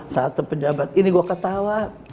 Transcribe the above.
satu pejabat ini gue ketawa